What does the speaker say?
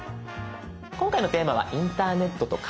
今回のテーマは「インターネットとカメラ」です。